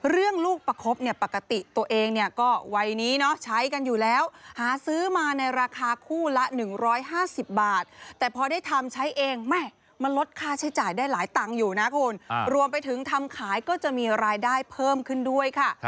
ลูกประคบเนี่ยปกติตัวเองเนี่ยก็วัยนี้เนาะใช้กันอยู่แล้วหาซื้อมาในราคาคู่ละ๑๕๐บาทแต่พอได้ทำใช้เองแม่มันลดค่าใช้จ่ายได้หลายตังค์อยู่นะคุณรวมไปถึงทำขายก็จะมีรายได้เพิ่มขึ้นด้วยค่ะ